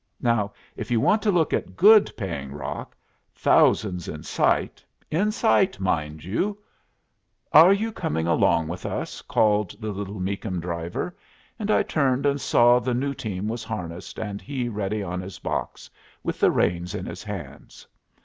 Now, if you want to look at good paying rock, thousands in sight, in sight, mind you " "Are you coming along with us?" called the little Meakum driver, and I turned and saw the new team was harnessed and he ready on his box, with the reins in his hands.